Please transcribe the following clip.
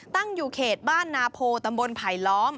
ตั้งอยู่เขตบ้านนาโพตำบลไผลล้อม